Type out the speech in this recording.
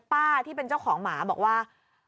ที่เป็นเจ้าของหมาบอกว่า